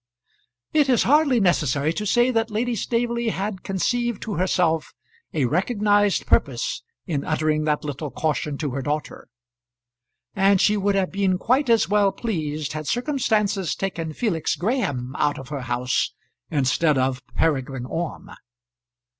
It is hardly necessary to say that Lady Staveley had conceived to herself a recognised purpose in uttering that little caution to her daughter; and she would have been quite as well pleased had circumstances taken Felix Graham out of her house instead of Peregrine Orme.